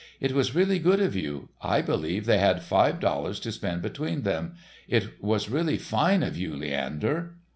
It was really good of you. I believe they had five dollars to spend between them. It was really fine of you, Leander."